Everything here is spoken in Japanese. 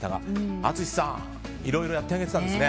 淳さん、いろいろやってらしたんですね。